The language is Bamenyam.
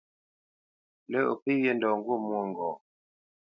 Lə́ o pé wyê ndɔ ŋgût mwôŋgɔʼ.